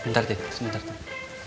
sebentar tin sebentar tuh